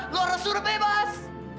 lora suruh bebas